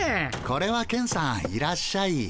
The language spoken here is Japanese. これはケンさんいらっしゃい。